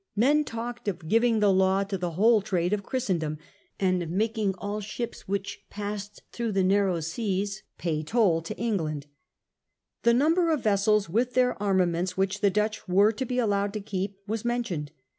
Men talked of * giving the law to the whole trade of Christendom, * and of making all ships which passed through the ' narrow seas * pay toll to England. The number of vessels, with their annaments, which the Dutch were to be allowed to keep was mentioned.